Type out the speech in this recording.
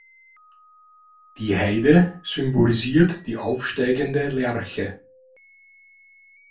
Die Heide symbolisiert die aufsteigende Lerche.